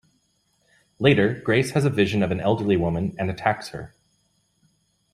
Later, Grace has a vision of an elderly woman and attacks her.